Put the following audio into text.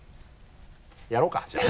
やろうかじゃあ。